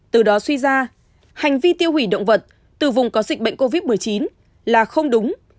từ đó suy ra hành vi tiêu hủy động vật từ vùng có dịch bệnh covid một mươi chín